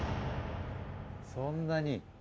そんなに。